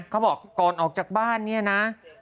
เขาบอกก่อนออกจากบ้านเนี่ยนะ